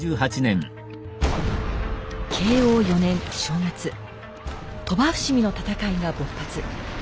慶応４年正月鳥羽伏見の戦いが勃発。